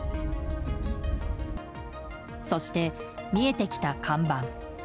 そして、見えてきた看板。